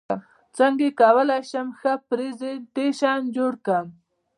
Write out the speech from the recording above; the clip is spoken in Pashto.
څنګه کولی شم ښه پرزنټیشن جوړ کړم